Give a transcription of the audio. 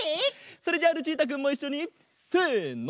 それじゃあルチータくんもいっしょにせの！